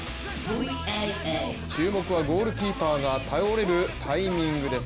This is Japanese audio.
注目はゴールキーパーが倒れるタイミングです。